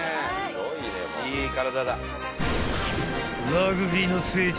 ［ラグビーの聖地